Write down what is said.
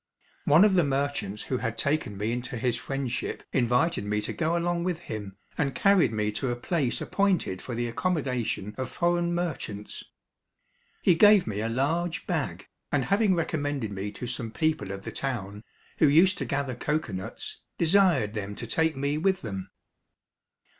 One of the merchants who had taken me into his friendship invited me to go along with him and carried me to a place appointed for the accommodation of foreign merchants. He gave me a large bag, and having recommended me to some people of the town, who used to gather cocoa nuts, desired them to take me with them.